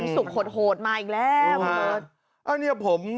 สุขโหดมาอีกแล้วพี่เบิร์ต